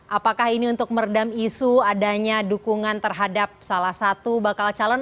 apakah ini untuk meredam isu adanya dukungan terhadap salah satu bakal calon